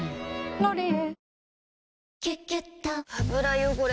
「ロリエ」